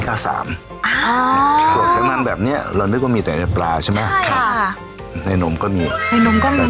ในกะเพราวัวเนี่ยมันก็จะสร้างโอเมก้าสามขึ้นหน่อยอืมนะครับอืม